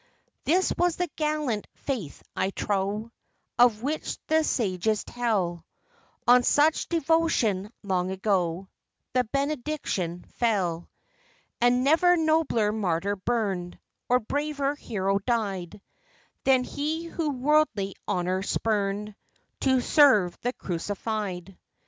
This was the gallant faith, I trow, Of which the sages tell; On such devotion long ago The benediction fell; And never nobler martyr burned, Or braver hero died, Than he who worldly honor spurned To serve the Crucified.